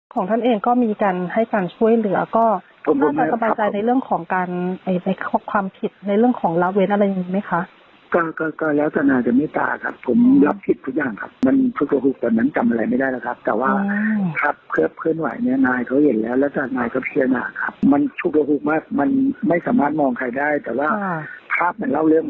ผมขอให้แค่นี้ครับเพราะว่าผมก็ไม่คล้ายในส่วนของผมแค่นี้ครับ